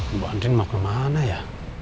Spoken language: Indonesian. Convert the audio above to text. ibu andien mau kemana ya